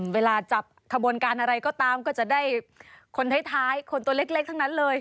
เวลาจับขบวนการอะไรก็ตามก็จะได้คนท้ายคนตัวเล็กทั้งนั้นเลย